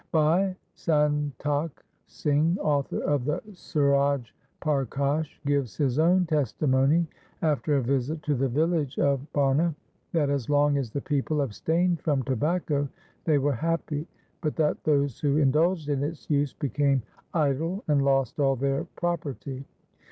Bhai Santokh Singh, author of the Suraj Parkash, gives his own testimony after a visit to the village of Barna, that, as long as the people abstained from tobacco, they were happy, but that those who in dulged in its use became idle and lost all their pro perty.